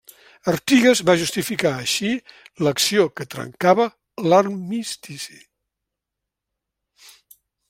Artigas va justificar així l'acció que trencava l'armistici.